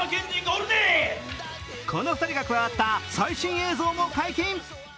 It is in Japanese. この２人が加わった最新映像も解禁。